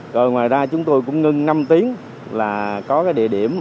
rồi ngoài ra chúng tôi cũng ngưng năm tiếng là có cái địa điểm